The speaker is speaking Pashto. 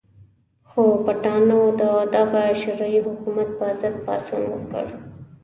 خو پټانانو د دغه شرعي حکومت په ضد پاڅون وکړ.